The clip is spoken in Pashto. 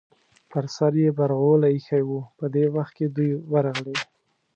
پر سر یې برغولی ایښی و، په دې وخت کې دوی ورغلې.